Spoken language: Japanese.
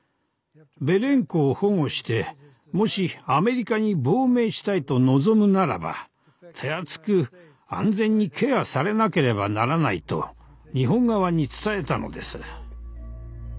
ベレンコを保護してもしアメリカに亡命したいと望むならば手厚く安全にケアされなければならないと日本側に伝えたのです。